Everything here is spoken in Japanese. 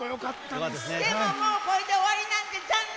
もうこれで終わりなんて残念！